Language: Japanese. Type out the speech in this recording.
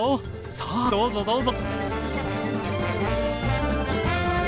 さあどうぞどうぞ。